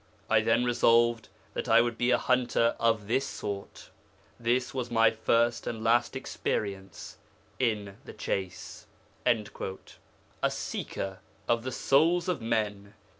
I then resolved that I would be a hunter of this sort. This was my first and last experience in the chase.' 'A seeker of the souls of men.'